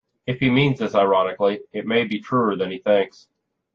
If he means this ironically, it may be truer than he thinks.